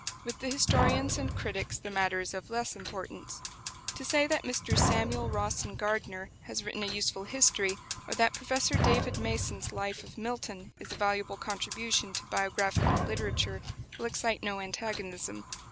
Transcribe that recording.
With the historians and critics the matter is of less importance. To say that Mr Samuel Rawson Gardiner has written a useful history, or that Professor David Masson's "Life of Milton" is a valuable contribution to biographical literature, will excite no antagonism.